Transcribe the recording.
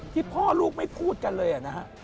ที่พ่อลูกไม่พูดกันเลยนะฮะ